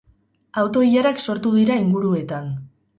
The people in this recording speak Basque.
Auto-ilarak sortu dira inguruetan.